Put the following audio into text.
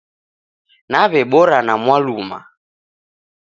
Naw'ebora na Mwaluma